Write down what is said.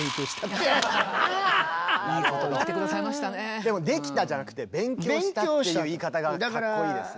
でも「できた」じゃなくて「勉強した」っていう言い方がかっこいいですね。